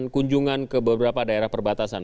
kunjungan ke beberapa daerah perbatasan